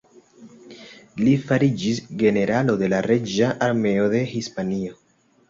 Li fariĝis generalo de la reĝa armeo de Hispanio.